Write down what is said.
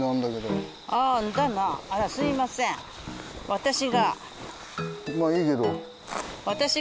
私が。